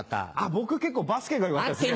僕結構バスケが良かったですね。